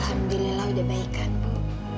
alhamdulillah udah baik kan bu